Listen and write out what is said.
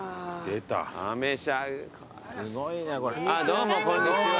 どうもこんにちは。